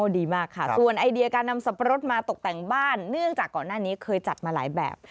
ดีมากค่ะส่วนไอเดียการนำสับปะรดมาตกแต่งบ้านเนื่องจากก่อนหน้านี้เคยจัดมาหลายแบบ